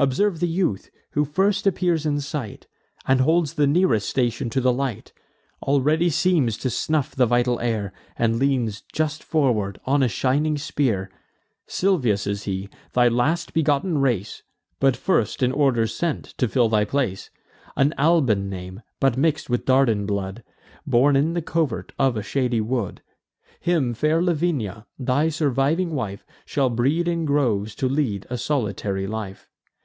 Observe the youth who first appears in sight, And holds the nearest station to the light, Already seems to snuff the vital air, And leans just forward, on a shining spear: Silvius is he, thy last begotten race, But first in order sent, to fill thy place; An Alban name, but mix'd with Dardan blood, Born in the covert of a shady wood: Him fair Lavinia, thy surviving wife, Shall breed in groves, to lead a solitary life.